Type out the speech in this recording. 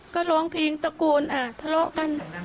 ก็ร้องเพลงตะโกนทะเลาะกัน